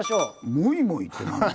モイモイって何？